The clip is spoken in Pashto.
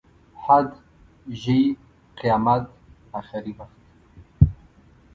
حد، ژۍ، قیامت، اخري وخت.